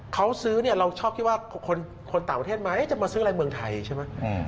เขาซื้อเนี่ยเราชอบที่ว่าคนต่างประเทศไหมจะมาซื้ออะไรเมืองไทยใช่ไหม